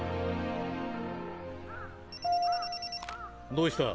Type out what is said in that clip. どうした？